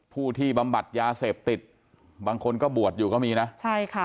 ผู้ที่บำบัดยาเสพติดบางคนก็บวชอยู่ก็มีนะใช่ค่ะ